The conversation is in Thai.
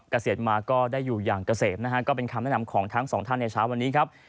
เกษตรมาก็ได้อยู่อย่างเกษตรนะฮะก็เป็นคำแนะนำของทั้งสองท่านในเช้าวันนี้ครับ